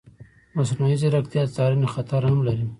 مصنوعي ځیرکتیا د څارنې خطر هم لري.